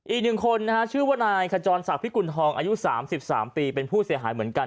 อีกหนึ่งคนนะฮะชื่อว่านายขจรศักดิพิกุณฑองอายุ๓๓ปีเป็นผู้เสียหายเหมือนกัน